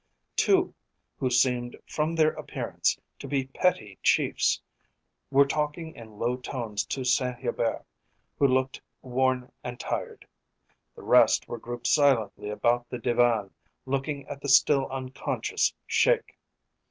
Two, who seemed from their appearance to be petty chiefs, were talking in low tones to Saint Hubert, who looked worn and tired. The rest were grouped silently about the divan, looking at the still unconscious Sheik.